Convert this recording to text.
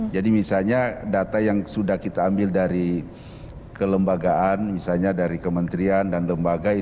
jadi misalnya data yang sudah kita ambil dari kelembagaan misalnya dari kementerian dan lembaga